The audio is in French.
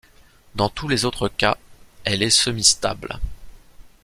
Dans tous les autres cas, elle est semi-stable.